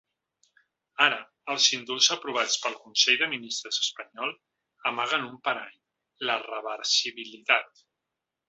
Ara, els indults aprovats pel consell de ministres espanyol amaguen un parany: la reversibilitat.